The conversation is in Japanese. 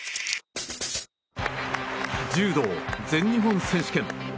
柔道全日本選手権。